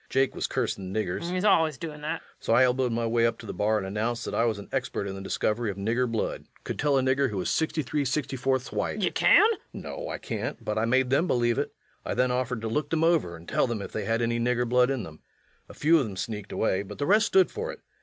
Jake was cursing niggers. LUKE. He's allus doin' that. REVENUE. So I elbowed my way up to the bar and announced that I was an expert in the discovery of nigger blood ... could tell a nigger who was 63 64ths white. LUKE. Ye kin? REVENUE. No, I can't, but I made them believe it. I then offered to look them over and tell them if they had any nigger blood in them. A few of them sneaked away, but the rest stood for it.